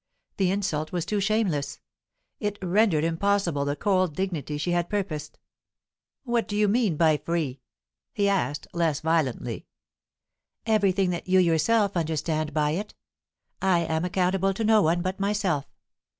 The insult was too shameless; it rendered impossible the cold dignity she had purposed. "What do you mean by 'free'?" he asked, less violently. "Everything that you yourself understand by it. I am accountable to no one but myself.